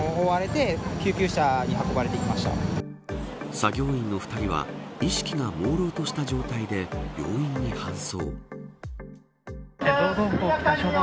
作業員の２人は意識がもうろうとした状態で病院に搬送。